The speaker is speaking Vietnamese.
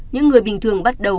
những người bình thường bắt đầu